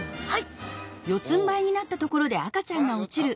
はい。